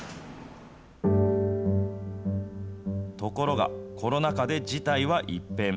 ところが、コロナ禍で事態は一変。